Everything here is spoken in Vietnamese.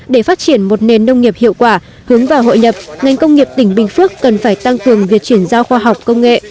để phát triển một nền nông nghiệp hiệu quả hướng vào hội nhập ngành công nghiệp tỉnh bình phước cần phải tăng cường việc chuyển giao khoa học công nghệ